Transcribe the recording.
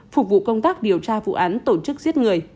phục vụ công tác điều tra vụ án tổ chức giết người